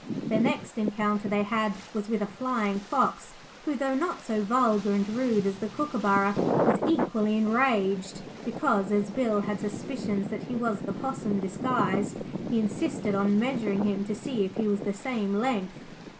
The next encounter they had was with a Flying fox who, though not so vulgar and rude as the Kookaburra, was equally enraged because, as Bill had suspicions that he was the Possum disguised, he insisted on measuring him to see if he was the same length.